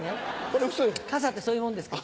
傘ってそういうもんですから。